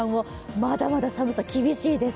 まだまだ天気、厳しいです。